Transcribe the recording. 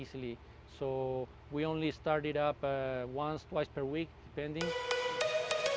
jadi kita hanya mulai sekali dua kali setiap minggu